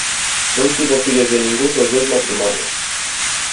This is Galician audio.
Non tivo fillos de ningún dos dous matrimonios.